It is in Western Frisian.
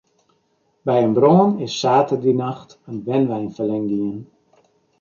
By in brân is saterdeitenacht in wenwein ferlern gien.